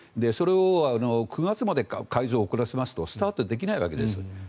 それを９月まで改造を遅らせますとスタートができないわけです。